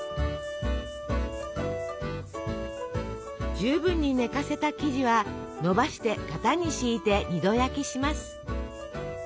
十分に寝かせた生地はのばして型に敷いて２度焼きします。